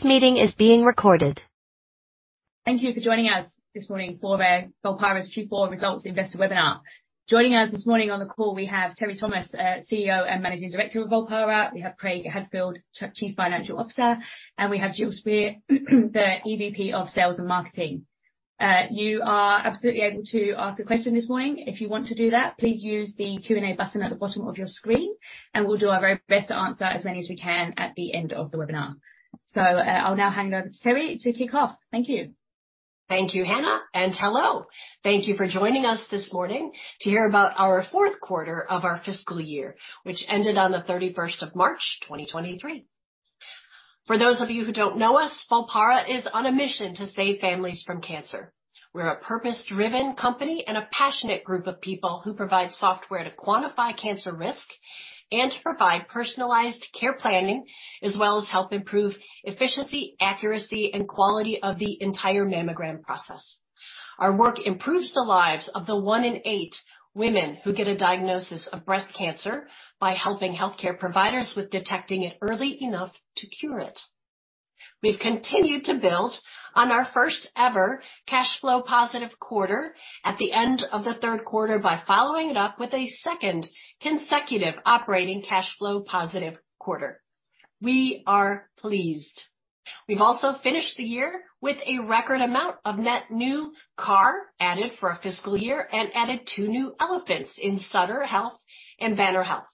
Thank you for joining us this morning for Volpara's Q4 results investor webinar. Joining us this morning on the call, we have Teri Thomas, CEO and Managing Director of Volpara. We have Craig Hadfield, Chief Financial Officer, and we have Jill Spear, the EVP of Sales and Marketing. You are absolutely able to ask a question this morning. If you want to do that, please use the Q&A button at the bottom of your screen, and we'll do our very best to answer as many as we can at the end of the webinar. I'll now hand over to Teri to kick off. Thank you. Thank you, Hannah. Hello. Thank you for joining us this morning to hear about our fourth quarter of our fiscal year, which ended on the 31st of March 2023. For those of you who don't know us, Volpara is on a mission to save families from cancer. We're a purpose-driven company and a passionate group of people who provide software to quantify cancer risk and to provide personalized care planning, as well as help improve efficiency, accuracy, and quality of the entire mammogram process. Our work improves the lives of the 1 in 8 women who get a diagnosis of breast cancer by helping healthcare providers with detecting it early enough to cure it. We've continued to build on our first-ever cash flow positive quarter at the end of the third quarter by following it up with a second consecutive operating cash flow positive quarter. We are pleased. We've also finished the year with a record amount of net new CARR added for our fiscal year and added 2 new elephants in Sutter Health and Banner Health.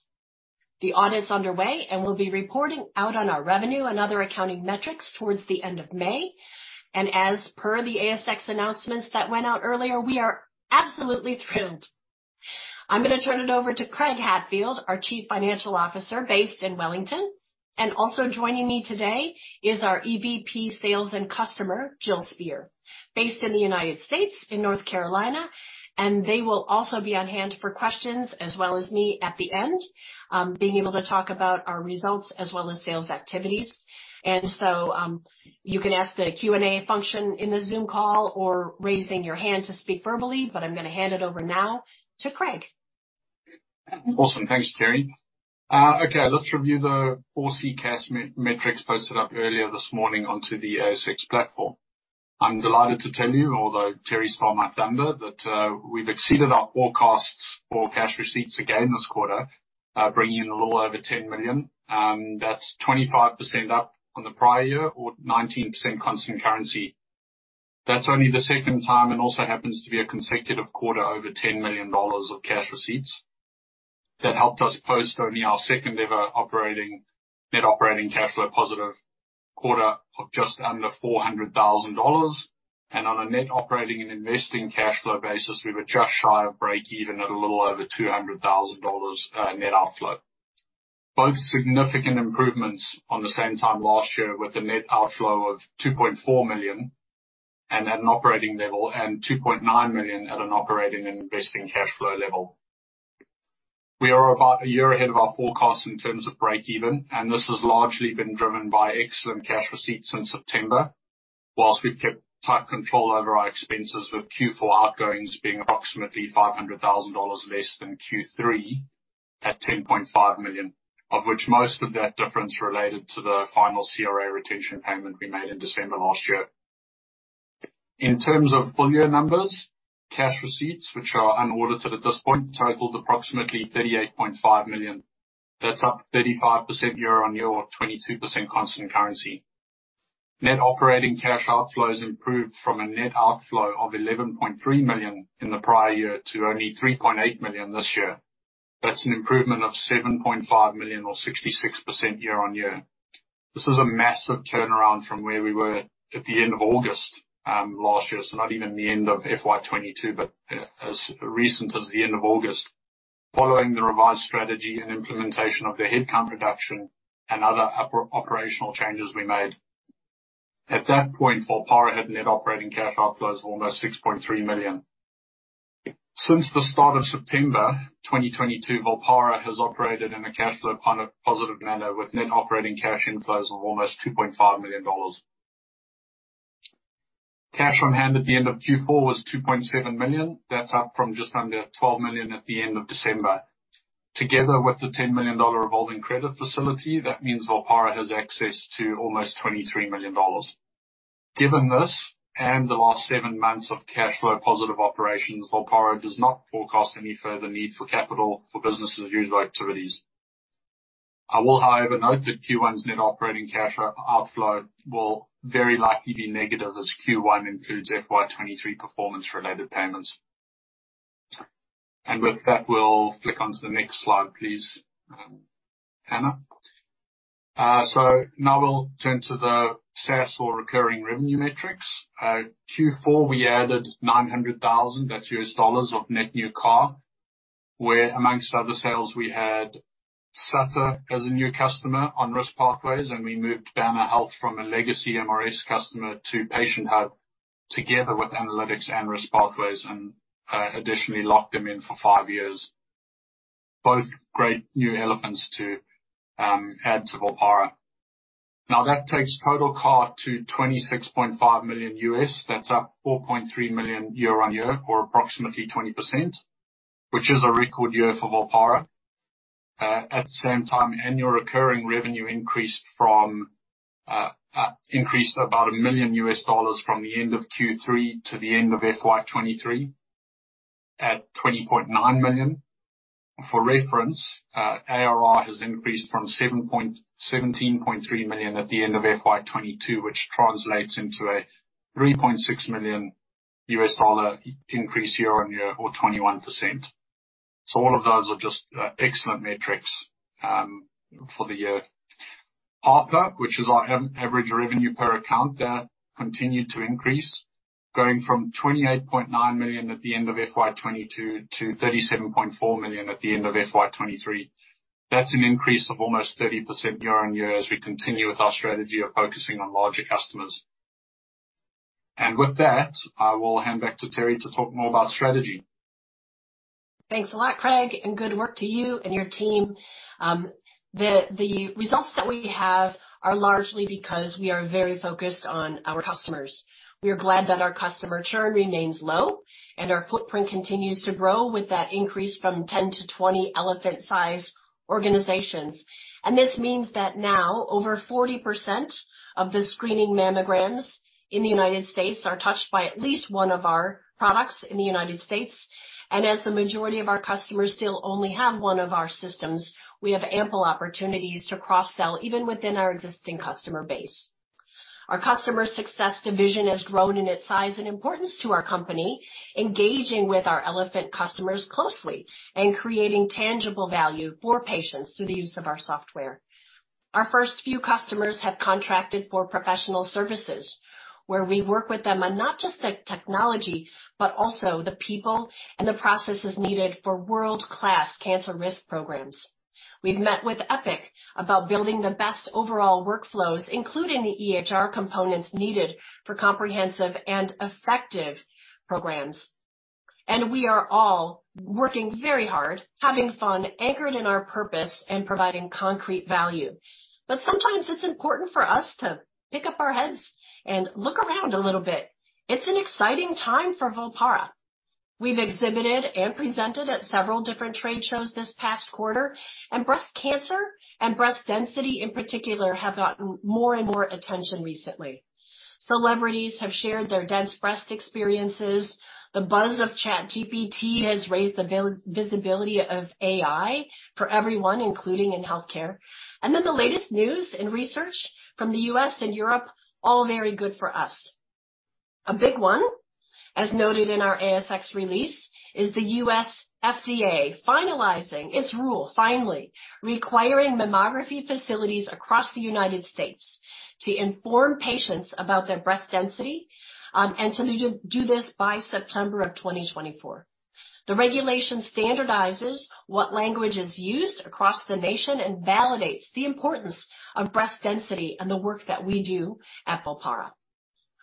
The audit's underway, and we'll be reporting out on our revenue and other accounting metrics towards the end of May. As per the ASX announcements that went out earlier, we are absolutely thrilled. I'm gonna turn it over to Craig Hadfield, our Chief Financial Officer based in Wellington. Also joining me today is our EVP Sales and Customer, Jill Speer, based in the United States in North Carolina, and they will also be on hand for questions as well as me at the end, being able to talk about our results as well as sales activities. You can ask the Q&A function in the Zoom call or raising your hand to speak verbally, but I'm gonna hand it over now to Craig. Awesome. Thanks, Teri. Okay. Let's review the 4C metrics posted up earlier this morning onto the ASX platform. I'm delighted to tell you, although Teri stole my thunder, that we've exceeded our forecasts for cash receipts again this quarter, bringing in a little over 10 million. That's 25% up on the prior year or 19% constant currency. That's only the second time and also happens to be a consecutive quarter over 10 million dollars of cash receipts. That helped us post only our second-ever net operating cash flow positive quarter of just under 400,000 dollars. On a net operating and investing cash flow basis, we were just shy of break even at a little over 200,000 dollars, net outflow. Both significant improvements on the same time last year with a net outflow of 2.4 million and at an operating level, and 2.9 million at an operating and investing cash flow level. We are about a year ahead of our forecast in terms of break even, and this has largely been driven by excellent cash receipts in September. Whilst we've kept tight control over our expenses, with Q4 outgoings being approximately 500,000 dollars less than Q3 at 10.5 million, of which most of that difference related to the final CRA retention payment we made in December last year. In terms of full year numbers, cash receipts, which are unaudited at this point, totaled approximately 38.5 million. That's up 35% year-on-year or 22% constant currency. Net operating cash outflows improved from a net outflow of 11.3 million in the prior year to only 3.8 million this year. That's an improvement of 7.5 million or 66% year-on-year. This is a massive turnaround from where we were at the end of August last year, so not even the end of FY 2022, but as recent as the end of August. Following the revised strategy and implementation of the headcount reduction and other upper operational changes we made. At that point, Volpara had net operating cash outflows of almost 6.3 million. Since the start of September 2022, Volpara has operated in a cash flow kind of positive manner, with net operating cash inflows of almost 2.5 million dollars. Cash on hand at the end of Q4 was 2.7 million. That's up from just under 12 million at the end of December. Together with the 10 million dollar revolving credit facility, that means Volpara has access to almost 23 million dollars. Given this and the last seven months of cash flow positive operations, Volpara does not forecast any further need for capital for business as usual activities. I will, however, note that Q1's net operating cash outflow will very likely be negative, as Q1 includes FY 2023 performance-related payments. With that, we'll flick onto the next slide, please, Hannah. Now we'll turn to the SaaS or recurring revenue metrics. Q4, we added $900,000 of net new CARR, where amongst other sales we had Sutter as a new customer on Risk Pathways, and we moved Banner Health from a legacy MRS customer to Patient Hub, together with Analytics and Risk Pathways, and additionally locked them in for 5 years. Both great new elephants to add to Volpara. Now that takes total CARR to $26.5 million. That's up $4.3 million year-on-year or approximately 20%, which is a record year for Volpara. At the same time, annual recurring revenue increased about $1 million from the end of Q3 to the end of FY 2023, at $20.9 million. For reference, ARR has increased from 17.3 million at the end of FY 2022, which translates into a $3.6 million increase year-on-year or 21%. All of those are just excellent metrics for the year. ARPA, which is our average revenue per account, that continued to increase, going from 28.9 million at the end of FY 2022 to 37.4 million at the end of FY 2023. That's an increase of almost 30% year-on-year as we continue with our strategy of focusing on larger customers. With that, I will hand back to Teri to talk more about strategy. Thanks a lot, Craig, good work to you and your team. The results that we have are largely because we are very focused on our customers. We are glad that our customer churn remains low and our footprint continues to grow with that increase from 10 to 20 elephant-sized organizations. This means that now over 40% of the screening mammograms in the United States are touched by at least 1 of our products in the United States. As the majority of our customers still only have 1 of our systems, we have ample opportunities to cross-sell even within our existing customer base. Our customer success division has grown in its size and importance to our company, engaging with our elephant customers closely and creating tangible value for patients through the use of our software. Our first few customers have contracted for professional services where we work with them on not just the technology, but also the people and the processes needed for world-class cancer risk programs. We've met with Epic about building the best overall workflows, including the EHR components needed for comprehensive and effective programs. We are all working very hard, having fun, anchored in our purpose, and providing concrete value. Sometimes it's important for us to pick up our heads and look around a little bit. It's an exciting time for Volpara. We've exhibited and presented at several different trade shows this past quarter. Breast cancer and breast density in particular, have gotten more and more attention recently. Celebrities have shared their dense breast experiences. The buzz of ChatGPT has raised the visibility of AI for everyone, including in healthcare. The latest news in research from the US and Europe, all very good for us. A big one, as noted in our ASX release, is the US FDA finalizing its rule, finally, requiring mammography facilities across the United States to inform patients about their breast density and to do this by September 2024. The regulation standardizes what language is used across the nation and validates the importance of breast density and the work that we do at Volpara.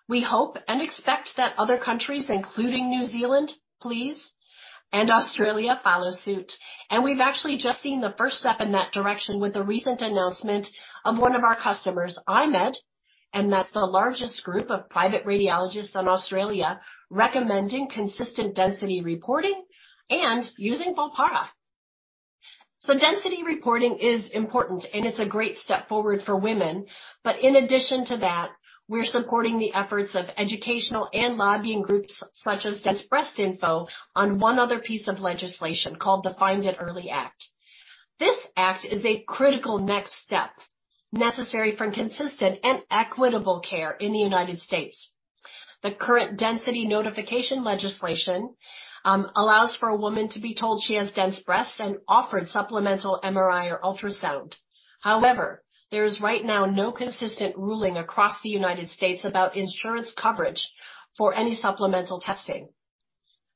We hope and expect that other countries, including New Zealand, please, and Australia, follow suit. We've actually just seen the first step in that direction with the recent announcement of one of our customers, I-MED, and that's the largest group of private radiologists in Australia, recommending consistent density reporting and using Volpara. Density reporting is important, and it's a great step forward for women. In addition to that, we're supporting the efforts of educational and lobbying groups such as DenseBreast-info on one other piece of legislation called the Find It Early Act. This act is a critical next step necessary for consistent and equitable care in the United States. The current density notification legislation allows for a woman to be told she has dense breasts and offered supplemental MRI or ultrasound. However, there is right now no consistent ruling across the United States about insurance coverage for any supplemental testing.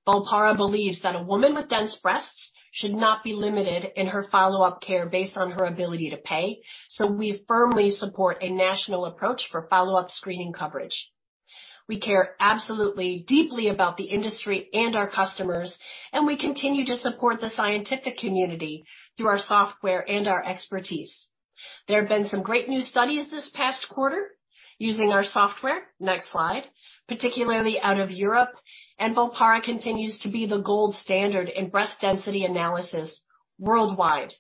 Volpara believes that a woman with dense breasts should not be limited in her follow-up care based on her ability to pay. We firmly support a national approach for follow-up screening coverage. We care absolutely deeply about the industry and our customers, and we continue to support the scientific community through our software and our expertise. There have been some great new studies this past quarter using our software. Next slide. Particularly out of Europe. Volpara continues to be the gold standard in breast density analysis worldwide.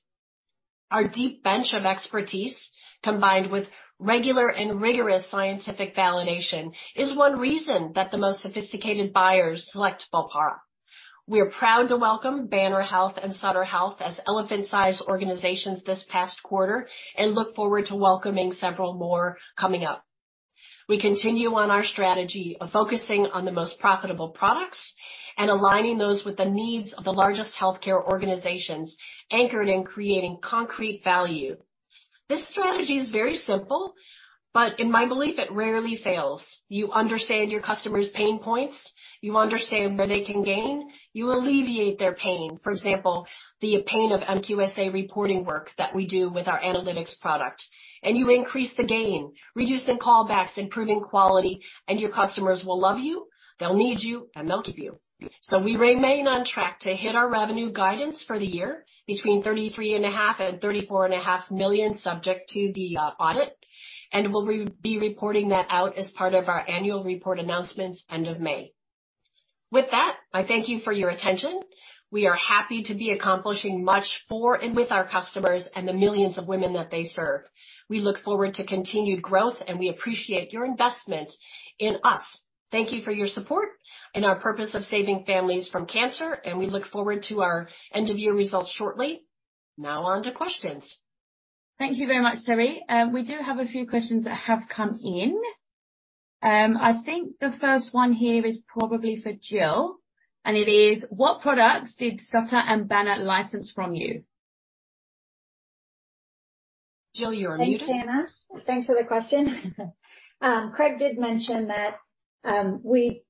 Our deep bench of expertise, combined with regular and rigorous scientific validation, is one reason that the most sophisticated buyers select Volpara. We are proud to welcome Banner Health and Sutter Health as elephant-sized organizations this past quarter, and look forward to welcoming several more coming up. We continue on our strategy of focusing on the most profitable products and aligning those with the needs of the largest healthcare organizations anchored in creating concrete value. This strategy is very simple, but in my belief, it rarely fails. You understand your customer's pain points. You understand where they can gain. You alleviate their pain. For example, the pain of MQSA reporting work that we do with our Analytics product. You increase the gain, reducing callbacks, improving quality, and your customers will love you, they'll need you, and they'll give you. We remain on track to hit our revenue guidance for the year between 33 and a half million and 34 and a half million, subject to the audit. We'll re-be reporting that out as part of our annual report announcements end of May. With that, I thank you for your attention. We are happy to be accomplishing much for and with our customers and the millions of women that they serve. We look forward to continued growth, and we appreciate your investment in us. Thank you for your support and our purpose of saving families from cancer, and we look forward to our end of year results shortly. On to questions. Thank you very much, Teri. We do have a few questions that have come in. I think the first one here is probably for Jill, and it is: what products did Sutter and Banner license from you? Jill, you're on muted. Thanks, Hannah. Thanks for the question. Craig did mention that we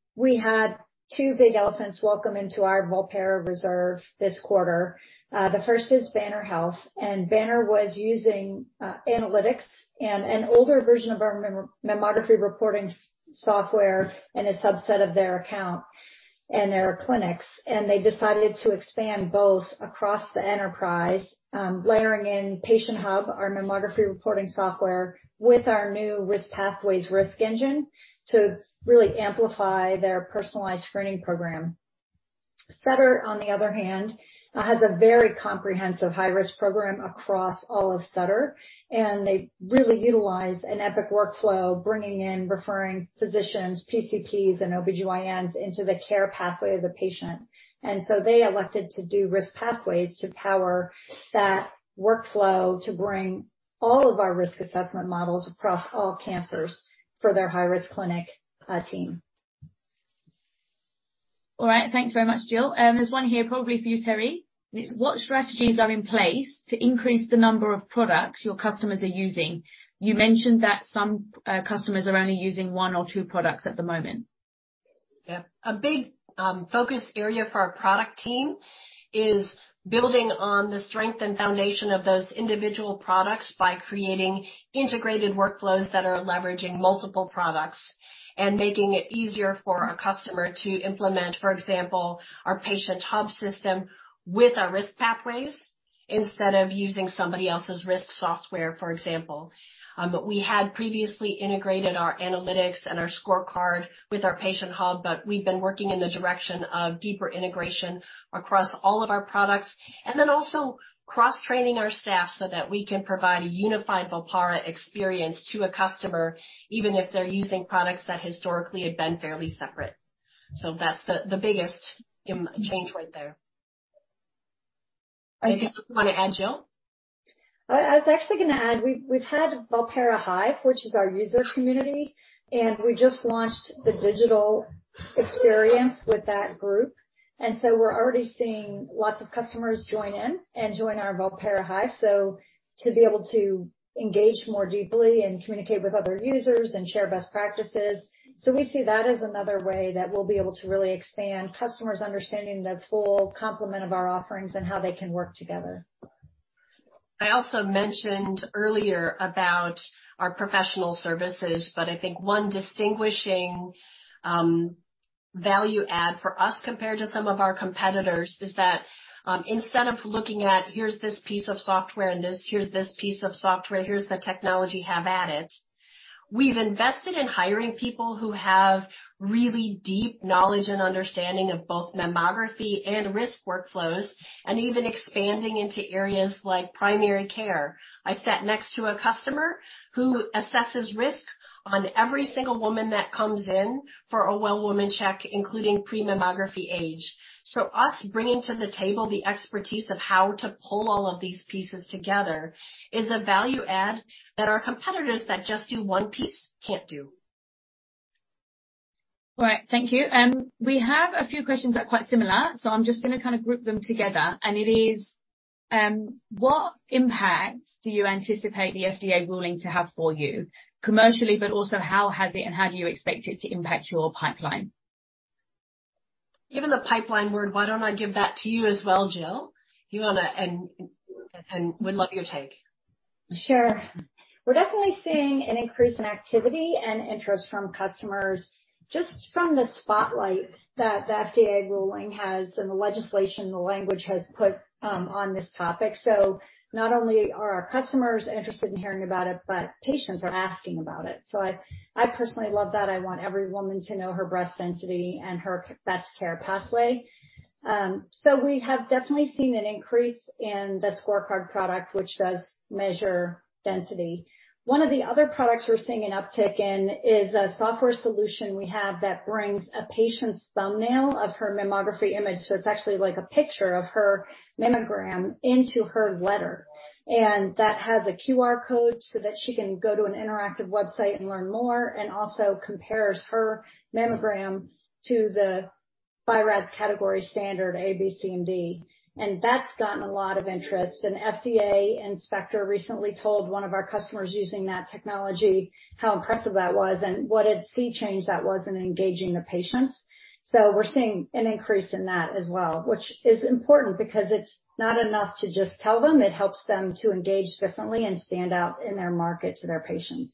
had two big elephants welcome into our Volpara reserve this quarter. The first is Banner Health, and Banner was using Analytics and an older version of our mammography reporting software in a subset of their account and their clinics. They decided to expand both across the enterprise, layering in Patient Hub, our mammography reporting software, with our new Risk Pathways risk engine to really amplify their personalized screening program. Sutter, on the other hand, has a very comprehensive high-risk program across all of Sutter, and they really utilize an Epic workflow, bringing in referring physicians, PCPs and OB-GYNs into the care pathway of the patient. They elected to do Risk Pathways to power that workflow to bring all of our risk assessment models across all cancers for their high-risk clinic, team. All right. Thanks very much, Jill. There's one here probably for you, Teri. It's what strategies are in place to increase the number of products your customers are using? You mentioned that some customers are only using one or two products at the moment. Yeah. A big focus area for our product team is building on the strength and foundation of those individual products by creating integrated workflows that are leveraging multiple products and making it easier for a customer to implement, for example, our Patient Hub system with our Risk Pathways instead of using somebody else's risk software, for example. We had previously integrated our Analytics and our Scorecard with our Patient Hub, but we've been working in the direction of deeper integration across all of our products, and then also cross-training our staff so that we can provide a unified Volpara experience to a customer, even if they're using products that historically had been fairly separate. That's the biggest change right there. Anything you want to add, Jill? I was actually gonna add, we've had Volpara Hive, which is our user community, and we just launched the digital experience with that group. We're already seeing lots of customers join in and join our Volpara Hive. To be able to engage more deeply and communicate with other users and share best practices. We see that as another way that we'll be able to really expand customers understanding the full complement of our offerings and how they can work together. I also mentioned earlier about our professional services, but I think one distinguishing value add for us compared to some of our competitors is that, instead of looking at here's this piece of software and here's this piece of software, here's the technology, have at it, we've invested in hiring people who have really deep knowledge and understanding of both mammography and risk workflows and even expanding into areas like primary care. I sat next to a customer who assesses risk on every single woman that comes in for a well-woman check, including pre-mammography age. Us bringing to the table the expertise of how to pull all of these pieces together is a value add that our competitors that just do one piece can't do. All right. Thank you. We have a few questions that are quite similar, so I'm just gonna kind of group them together. It is: What impact do you anticipate the FDA ruling to have for you commercially, but also how has it and how do you expect it to impact your pipeline? Given the pipeline word, why don't I give that to you as well, Jill? Would love your take. Sure. We're definitely seeing an increase in activity and interest from customers just from the spotlight that the FDA ruling has and the legislation, the language has put on this topic. Not only are our customers interested in hearing about it, but patients are asking about it. I personally love that. I want every woman to know her breast density and her best care pathway. We have definitely seen an increase in the Scorecard product, which does measure density. One of the other products we're seeing an uptick in is a software solution we have that brings a patient's thumbnail of her mammography image, so it's actually like a picture of her mammogram into her letter. That has a QR code so that she can go to an interactive website and learn more, and also compares her mammogram to the BI-RADS category standard A, B, C and D. That's gotten a lot of interest. An FDA inspector recently told one of our customers using that technology how impressive that was and what a sea change that was in engaging the patients. We're seeing an increase in that as well, which is important because it's not enough to just tell them, it helps them to engage differently and stand out in their market to their patients.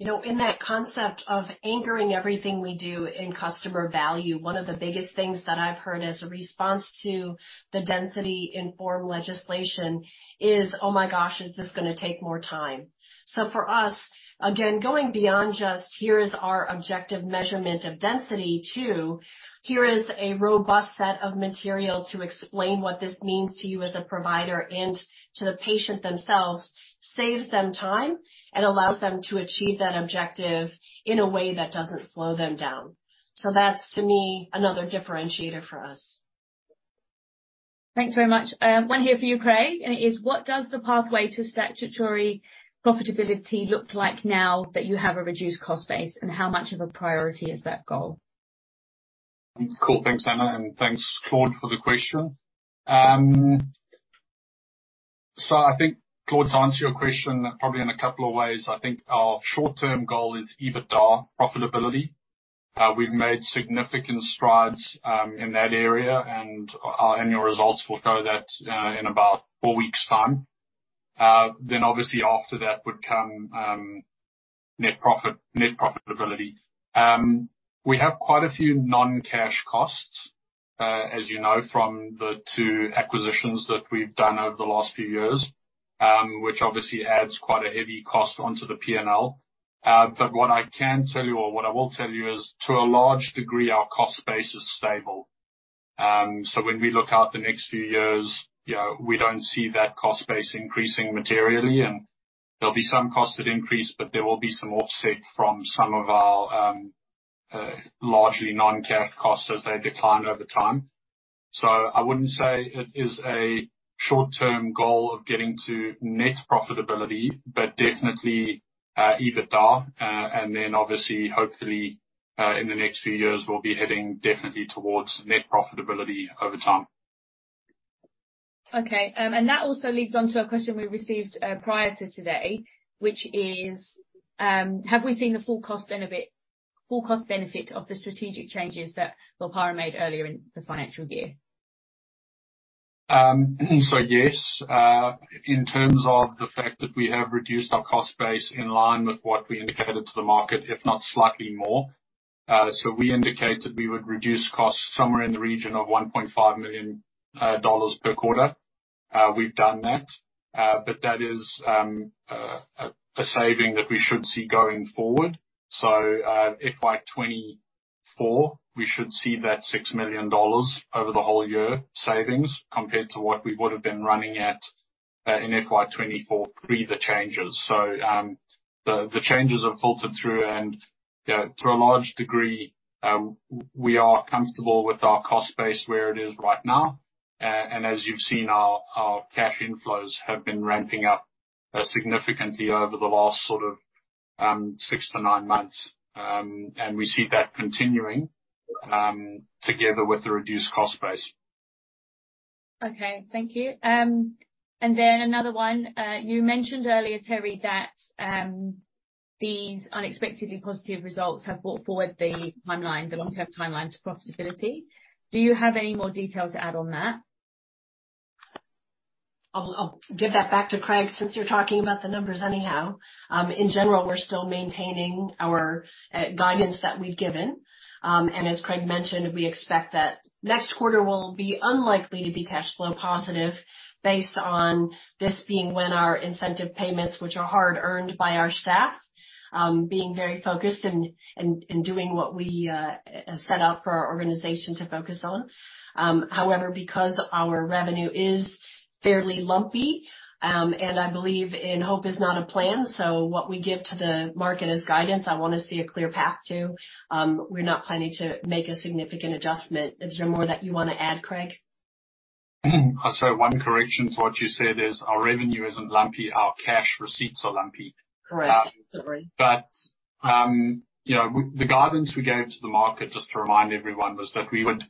You know, in that concept of anchoring everything we do in customer value, one of the biggest things that I've heard as a response to the density in form legislation is, "Oh my gosh, is this gonna take more time?" For us, again, going beyond just here is our objective measurement of density to here is a robust set of material to explain what this means to you as a provider and to the patient themselves, saves them time and allows them to achieve that objective in a way that doesn't slow them down. That's, to me, another differentiator for us. Thanks very much. One here for you, Craig, and it is: What does the pathway to statutory profitability look like now that you have a reduced cost base, and how much of a priority is that goal? Cool. Thanks, Anna, and thanks, Claude, for the question. I think, Claude, to answer your question, probably in a couple of ways. I think our short-term goal is EBITDA profitability. We've made significant strides in that area, and our annual results will show that in about four weeks' time. Obviously after that would come net profit, net profitability. We have quite a few non-cash costs, as you know, from the two acquisitions that we've done over the last few years, which obviously adds quite a heavy cost onto the P&L. What I can tell you, or what I will tell you, is to a large degree, our cost base is stable. When we look out the next few years, you know, we don't see that cost base increasing materially, and there'll be some costed increase, but there will be some offset from some of our largely non-cash costs as they decline over time. I wouldn't say it is a short-term goal of getting to net profitability, but definitely EBITDA. Then obviously, hopefully, in the next few years, we'll be heading definitely towards net profitability over time. Okay. That also leads on to a question we received prior to today, which is: Have we seen the full cost benefit of the strategic changes that Volpara made earlier in the financial year? Yes, in terms of the fact that we have reduced our cost base in line with what we indicated to the market, if not slightly more. We indicated we would reduce costs somewhere in the region of 1.5 million dollars per quarter. We've done that. That is a saving that we should see going forward. FY 2024, we should see that 6 million dollars over the whole year savings compared to what we would've been running at in FY 2024 pre the changes. The changes have filtered through and, you know, to a large degree, we are comfortable with our cost base where it is right now. As you've seen, our cash inflows have been ramping up, significantly over the last sort of, six to nine months. We see that continuing, together with the reduced cost base. Okay. Thank you. Another one. You mentioned earlier, Teri, that these unexpectedly positive results have brought forward the timeline, the long-term timeline to profitability. Do you have any more detail to add on that? I'll give that back to Craig, since you're talking about the numbers anyhow. In general, we're still maintaining our guidance that we'd given. As Craig mentioned, we expect that next quarter will be unlikely to be cash flow positive based on this being when our incentive payments, which are hard-earned by our staff, being very focused and doing what we set out for our organization to focus on. However, because our revenue is fairly lumpy, and I believe and hope is not a plan, so what we give to the market as guidance, I wanna see a clear path to. We're not planning to make a significant adjustment. Is there more that you wanna add, Craig? Sorry, one correction to what you said is our revenue isn't lumpy, our cash receipts are lumpy. Correct. Sorry. You know, the guidance we gave to the market, just to remind everyone, was that we would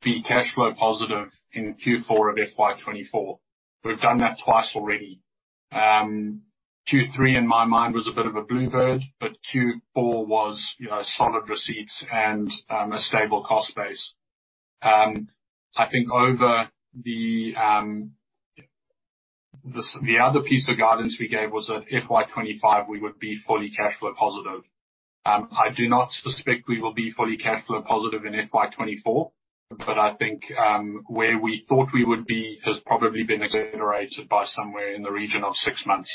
be cash flow positive in Q4 of FY 2024. We've done that twice already. Q3, in my mind, was a bit of a bluebird, Q4 was, you know, solid receipts and a stable cost base. I think over the other piece of guidance we gave was that FY 2025 we would be fully cash flow positive. I do not suspect we will be fully cash flow positive in FY 2024, I think where we thought we would be has probably been exaggerated by somewhere in the region of six months.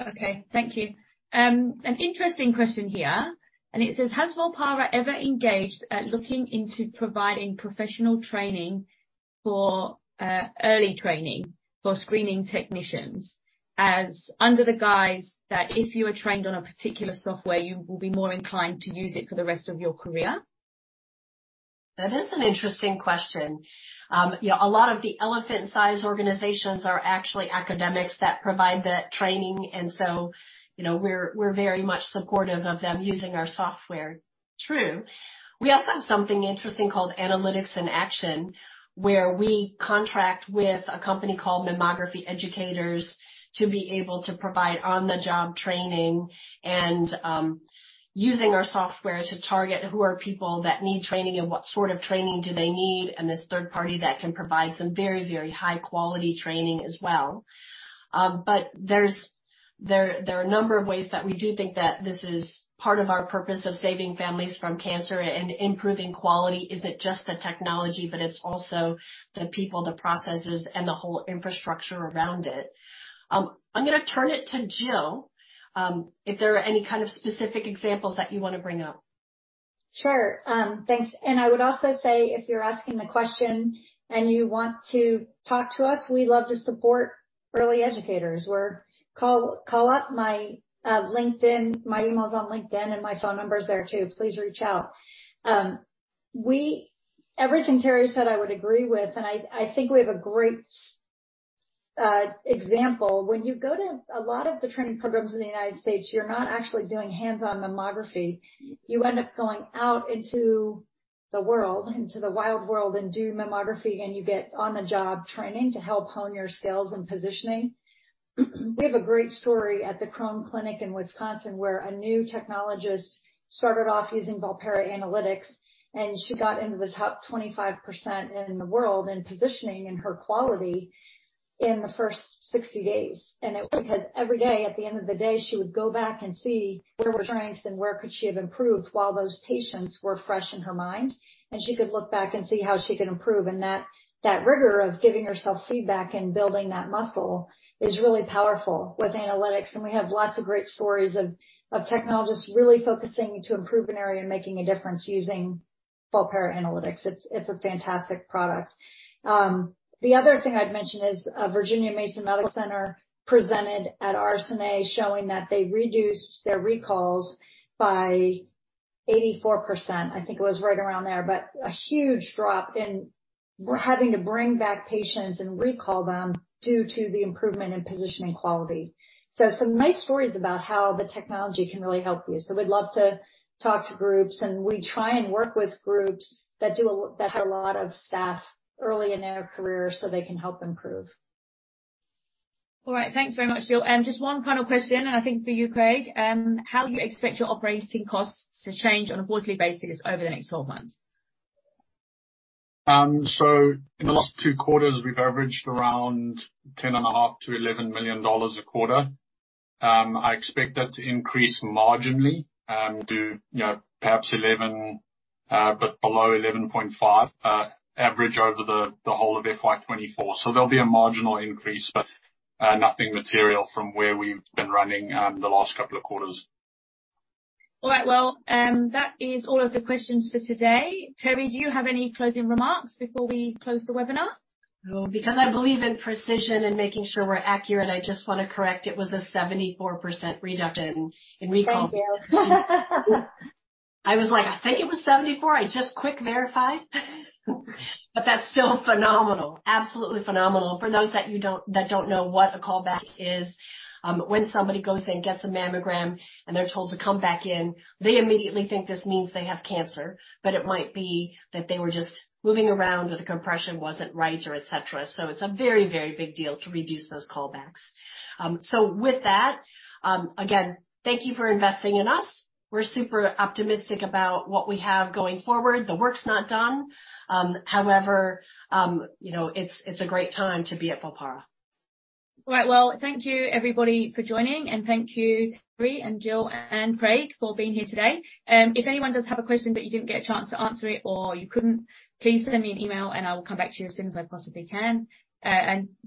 Okay. Thank you. an interesting question here. It says: Has Volpara ever engaged at looking into providing professional training for early training for screening technicians as under the guise that if you are trained on a particular software, you will be more inclined to use it for the rest of your career? That is an interesting question. You know, a lot of the elephant size organizations are actually academics that provide that training and so, you know, we're very much supportive of them using our software. True. We also have something interesting called Analytics in Action, where we contract with a company called Mammography Educators to be able to provide on-the-job training and, using our software to target who are people that need training and what sort of training do they need, and this third party that can provide some very, very high quality training as well. There are a number of ways that we do think that this is part of our purpose of saving families from cancer and improving quality isn't just the technology, but it's also the people, the processes, and the whole infrastructure around it. I'm gonna turn it to Jill, if there are any kind of specific examples that you wanna bring up. Sure. thanks. I would also say if you're asking the question and you want to talk to us, we love to support early educators. Call up my LinkedIn. My email's on LinkedIn. My phone number's there too. Please reach out. Everything Teri said I would agree with, and I think we have a great example. When you go to a lot of the training programs in the United States, you're not actually doing hands-on mammography. You end up going out into the world, into the wild world, and do mammography, and you get on-the-job training to help hone your skills and positioning. We have a great story at the Krohn Clinic in Wisconsin, where a new technologist started off using Volpara Analytics. She got into the top 25% in the world in positioning and her quality in the first 60 days. It was because every day, at the end of the day, she would go back and see where were strengths and where could she have improved while those patients were fresh in her mind. She could look back and see how she can improve. That rigor of giving herself feedback and building that muscle is really powerful with Analytics. We have lots of great stories of technologists really focusing to improve an area and making a difference using Volpara Analytics. It's a fantastic product. The other thing I'd mention is Virginia Mason Medical Center presented at RSNA, showing that they reduced their recalls by 84%. I think it was right around there, but a huge drop in having to bring back patients and recall them due to the improvement in positioning quality. Some nice stories about how the technology can really help you. We'd love to talk to groups, and we try and work with groups that do that have a lot of staff early in their career so they can help improve. All right. Thanks very much, Jill. Just one final question, and I think for you, Craig, how do you expect your operating costs to change on a quarterly basis over the next 12 months? In the last two quarters, we've averaged around ten and a half million dollars to $11 million a quarter. I expect that to increase marginally, to perhaps $11 million, but below $11.5 million average over the whole of FY 2024. There'll be a marginal increase, but nothing material from where we've been running the last couple of quarters. All right. Well, that is all of the questions for today. Teri, do you have any closing remarks before we close the webinar? Well, because I believe in precision and making sure we're accurate, I just wanna correct, it was a 74% reduction in recall. Thank you. I was like, "I think it was 74." I just quick verify. That's still phenomenal. Absolutely phenomenal. For those that you don't, that don't know what a callback is, when somebody goes in, gets a mammogram, and they're told to come back in, they immediately think this means they have cancer, but it might be that they were just moving around, or the compression wasn't right or etc. It's a very, very big deal to reduce those callbacks. With that, again, thank you for investing in us. We're super optimistic about what we have going forward. The work's not done. However, you know, it's a great time to be at Volpara. All right. Well, thank you everybody for joining, and thank you, Teri and Jill and Craig, for being here today. If anyone does have a question that you didn't get a chance to answer it or you couldn't, please send me an email, and I will come back to you as soon as I possibly can.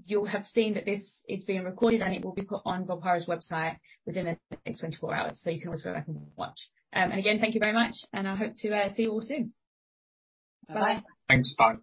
You'll have seen that this is being recorded, and it will be put on Volpara's website within the next 24 hours, so you can always go back and watch. Again, thank you very much, and I hope to see you all soon. Bye. Bye. Thanks. Bye.